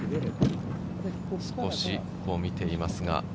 少し見ていますが。